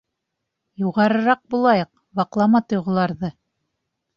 Юғарыраҡ булайыҡ, ваҡлама тойғоларҙы.